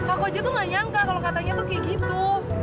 aku aja tuh gak nyangka kalau katanya tuh kayak gitu